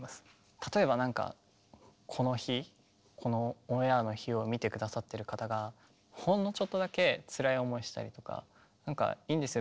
例えばなんかこの日このオンエアの日を見て下さってる方がほんのちょっとだけつらい思いしたりとかいいんですよ